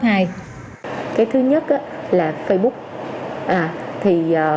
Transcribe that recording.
cái thứ nhất là facebook